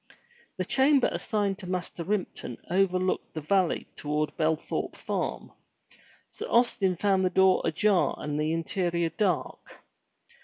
The chamber assigned to Master Ripton overlooked the valley toward Belthorpe farm. Sir Austin found the door ajar and the interior dark.